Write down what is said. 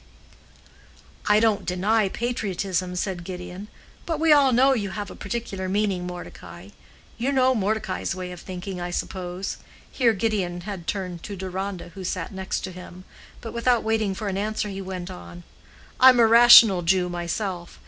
"I don't deny patriotism," said Gideon, "but we all know you have a particular meaning, Mordecai. You know Mordecai's way of thinking, I suppose." Here Gideon had turned to Deronda, who sat next to him, but without waiting for an answer he went on. "I'm a rational Jew myself.